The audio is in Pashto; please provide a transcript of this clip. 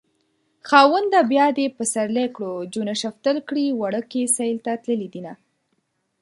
خاونده بيا دې پسرلی کړو جونه شفتل کړي وړکي سيل ته تللي دينه